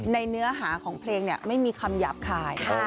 เนื้อหาของเพลงไม่มีคำหยาบคาย